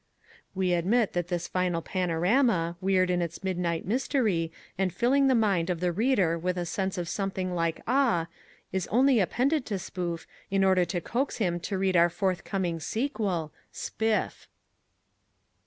(We admit that this final panorama, weird in its midnight mystery, and filling the mind of the reader with a sense of something like awe, is only appended to Spoof in order to coax him to read our forthcoming sequel, Spiff!)